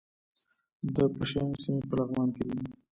د پشه یانو سیمې په لغمان کې دي